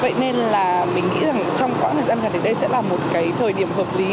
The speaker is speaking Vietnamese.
vậy nên là mình nghĩ rằng trong quãng thời gian gần đến đây sẽ là một cái thời điểm hợp lý